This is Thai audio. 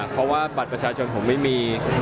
เพราะว่าบัตรประชาชนผมไม่มี